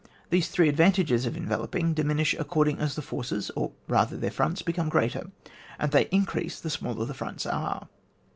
These three advantages of en veloping, diminish according as the forces, or rather their fronts, become greater, and they increase the smaller the fronts are.